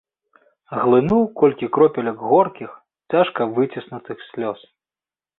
Глынуў колькі кропель горкіх, цяжка выціснутых слёз.